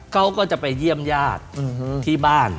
เขาก็จะไปเยี่ยมญาติที่บ้าน